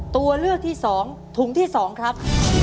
ตัวเลือกที่๒ถุงที่๒ครับ